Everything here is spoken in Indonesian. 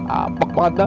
apek banget dah